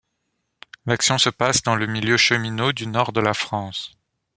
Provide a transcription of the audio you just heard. L'action se passe dans le milieu cheminot du Nord de la France.